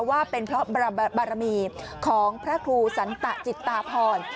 ว่าเป็นเพราะบารมีของพระครูสันตะจิตตาพร